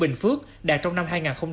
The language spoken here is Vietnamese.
bình phước đạt trong năm hai nghìn hai mươi ba